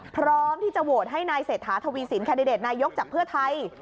พร้อมที่จะโหวตให้นายเศรษฐาทวีสินแคนดิเดตนายกจากเพื่อไทย